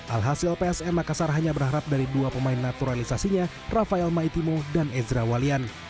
alhasil psm makassar hanya berharap dari dua pemain naturalisasinya rafael maitimo dan ezra walian